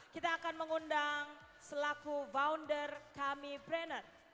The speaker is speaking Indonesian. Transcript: kita akan mengundang selaku founder kami breneur